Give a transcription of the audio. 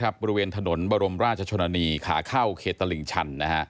บริเวณถนนบรมราชชนนีขาเข้าเขตตลิ่งชัน